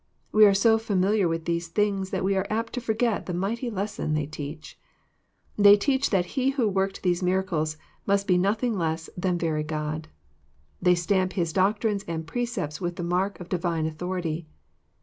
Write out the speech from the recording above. We are so familiar with these things that we are apt to forget the mighty lesson they teach. They teach that He who worked these miracles must be nothing less than very God. They stamp His doctrines and precepts with the mark of Divine authority.